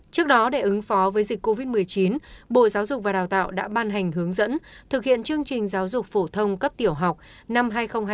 trước đó để ứng phó với dịch covid một mươi chín bộ giáo dục và đào tạo đã ban hành hướng dẫn thực hiện chương trình giáo dục phổ thông cấp tiểu học năm hai nghìn hai mươi một hai nghìn hai mươi hai